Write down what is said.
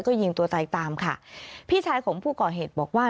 ก็ยิงตัวตายตามค่ะพี่ชายของผู้ก่อเหตุบอกว่า